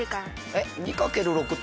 えっ？